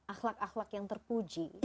akhlak akhlak yang terpuji